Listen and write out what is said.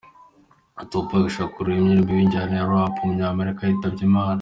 Tu Pac Shakur, umuririmbyi w’injyana ya Rap w’umunyamerika yitabye Imana.